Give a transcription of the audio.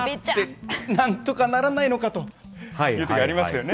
なんとかならないのかというとき、ありますよね。